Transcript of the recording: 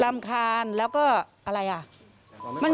รำคาญแล้วก็อะไรอ่ะ